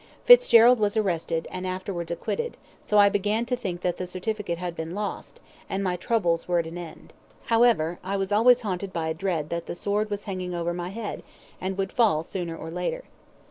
Fitzgerald was arrested, and afterwards acquitted, so I began to think that the certificate had been lost, and my troubles were at an end. However, I was always haunted by a dread that the sword was hanging over my head, and would fall sooner or later.